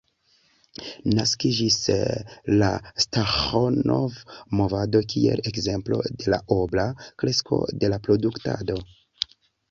Naskiĝis la Staĥanov-movado kiel ekzemplo de la obla kresko de la produktado.